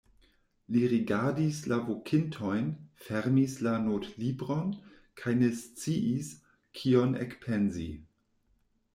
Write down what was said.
Li rigardis la vokintojn, fermis la notlibron kaj ne sciis, kion ekpensi.